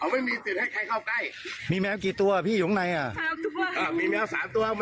ไม่มีสิทธิ์ให้ใครเข้าใกล้มีแมวกี่ตัวพี่อยู่ข้างในอ่ะมีแมว๓ตัว